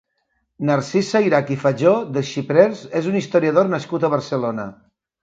Narcís Sayrach i Fatjó dels Xiprers és un historiador nascut a Barcelona.